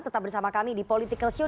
tetap bersama kami di politikalshow